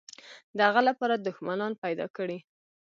د هغه لپاره دښمنان پیدا کړي.